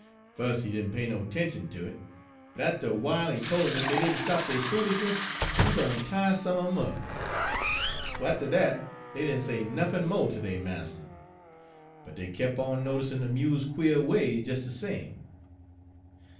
Fust he didn' pay no 'tention ter it, but atter a w'ile he tol' 'em ef dey didn' stop dey foolis'ness, he gwine tie some un 'em up. So atter dat dey didn' say nuffin mo' ter dey marster, but dey kep' on noticin' de mule's quare ways des de same.